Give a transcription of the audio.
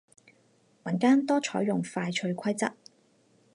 民間多採用快脆規則